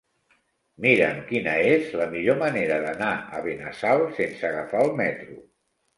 Mira'm quina és la millor manera d'anar a Benassal sense agafar el metro.